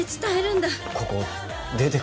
ここ出てくわ。